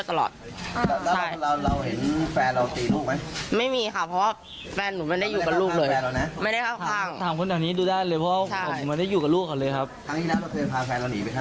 แยกกันไปแล้วเมื่อกี้นาทีน้องตีลูกเรา